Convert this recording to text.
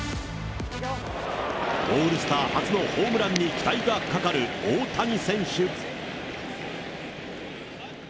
オールスター初のホームランに期待がかかる大谷選手。